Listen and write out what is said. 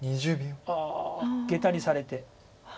ああゲタにされて。